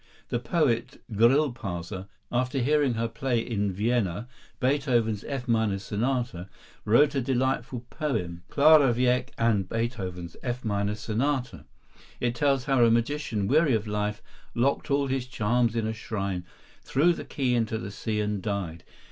The poet Grillparzer, after hearing her play in Vienna Beethoven's F minor Sonata, wrote a delightful poem. "Clara Wieck and Beethoven's F minor Sonata." It tells how a magician, weary of life, locked all his charms in a shrine, threw the key into the sea, and died.